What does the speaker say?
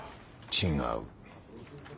違う。